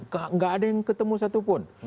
tidak ada yang ketemu satupun